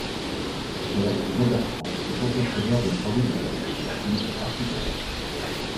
Son père, Jean-Bertrand, est entrepreneur des travaux du port, puis architecte.